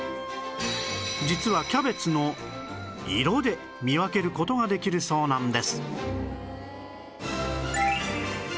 実はキャベツの色で見分ける事ができるそうなんです